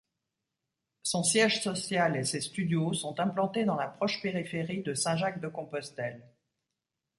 Son siège social et ses studios sont implantés dans la proche périphérie de Saint-Jacques-de-Compostelle.